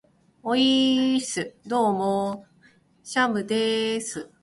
ｵｨｨｨｨｨｨｯｽ!どうもー、シャムでーす。